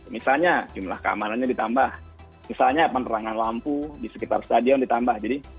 misalnya jumlah keamanannya ditambah misalnya penerangan lampu di sekitar stadion ditambah jadi